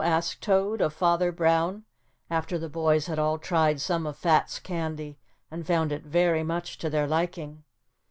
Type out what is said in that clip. asked Toad of Father Brown, after the boys had all tried some of Fat's candy and found it very much to their liking.